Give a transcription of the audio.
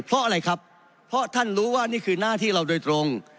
เพราะอะไรครับเพราะท่านรู้ว่านี่คือหน้าที่เราโดยตรง